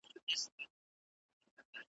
ورک یم له شهبازه ترانې را پسي مه ګوره .